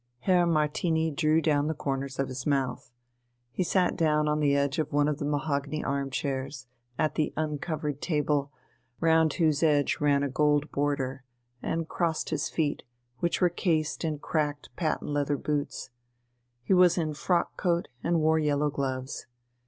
Herr Martini drew down the corners of his mouth. He sat down on the edge of one of the mahogany arm chairs, at the uncovered table, round whose edge ran a gold border, and crossed his feet, which were cased in cracked patent leather boots. He was in frock coat and wore yellow gloves.